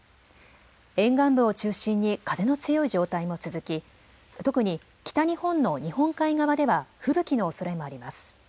沿岸部を中心に風の強い状態も続き、特に北日本の日本海側では吹雪のおそれもあります。